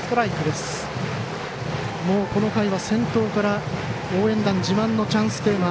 もうこの回は先頭から応援団自慢のチャンステーマ